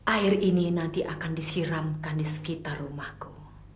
air ini nanti akan disiramkan di sekitar rumahku